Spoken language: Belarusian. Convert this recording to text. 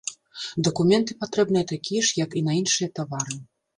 Дакументы патрэбныя такія ж, як і на іншыя тавары.